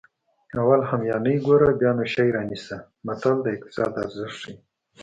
اول همیانۍ ګوره بیا نو شی رانیسه متل د اقتصاد ارزښت ښيي